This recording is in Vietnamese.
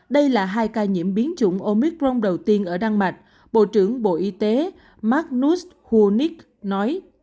đây là hai ca nhiễm biến chủng omicron đầu tiên ở đan mạch bộ trưởng bộ y tế magnus huonic nói